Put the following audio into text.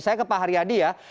saya ke pak haryadi ya